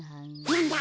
なんだ？